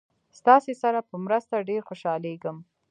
ستاسې سره په مرسته ډېر خوشحالیږم.